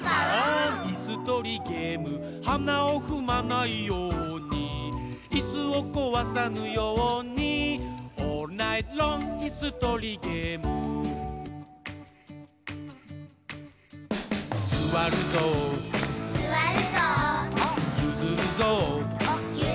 いすとりゲーム」「はなをふまないように」「いすをこわさぬように」「オールナイトロングいすとりゲーム」「すわるぞう」「ゆずるぞう」